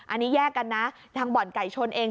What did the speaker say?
อันนี้แยกกันนะทางบ่อนไก่ชนเอง